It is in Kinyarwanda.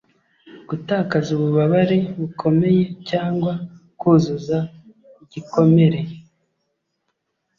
gutakaza ububabare bukomeye cyangwa kuzuza igikomere,